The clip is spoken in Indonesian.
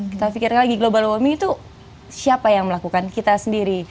kita pikirkan lagi global warming itu siapa yang melakukan kita sendiri